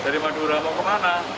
dari madura mau ke mana